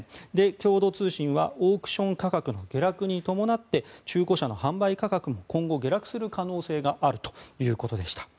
共同通信はオークション価格の下落に伴って中古車の販売価格も今後下落する可能性があるということでした。